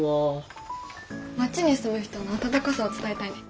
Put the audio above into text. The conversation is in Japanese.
町に住む人の温かさを伝えたいね。